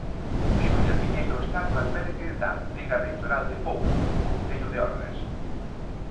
Xulia Piñeiro está no albergue da antiga reitoral de Poulo, no concello de Ordes.